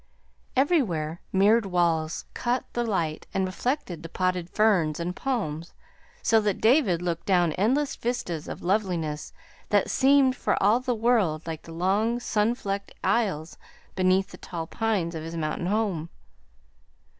Everywhere mirrored walls caught the light and reflected the potted ferns and palms so that David looked down endless vistas of loveliness that seemed for all the world like the long sunflecked aisles beneath the tall pines of his mountain home.